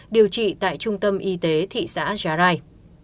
điều trị tại trung tâm y tế thị xã giá rai